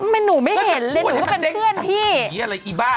ไม่หนูไม่เห็นเลยหนูก็เป็นเพื่อนพี่ปุ๊กอี๋อะไรอี๋บ้า